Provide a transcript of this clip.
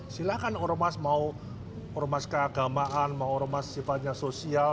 silahkan ormas mau ormas keagamaan mau ormas sifatnya sosial